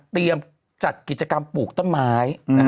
เตรียมจัดกิจการปลูกต้นไม้